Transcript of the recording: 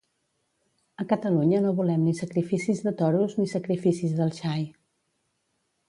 A Catalunya no volem ni sacrificis de toros ni sacrificis del xai